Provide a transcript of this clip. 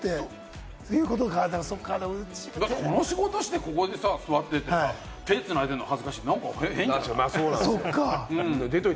この仕事して、ここに座っててさ、手をつないでるのは恥ずかしいって変じゃない？